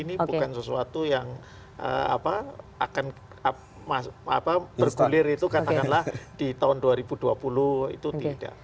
ini bukan sesuatu yang akan bergulir itu katakanlah di tahun dua ribu dua puluh itu tidak